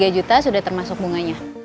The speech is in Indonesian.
tiga puluh tiga juta sudah termasuk bunganya